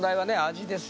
味です